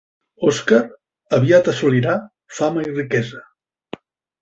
Oskar aviat assolirà fama i riquesa.